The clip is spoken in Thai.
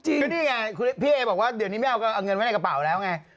ก็นี่ไงพี่เอบอกว่าเดี๋ยวนี้ไม่เอาเงินไว้ในกระเป๋าแล้วไง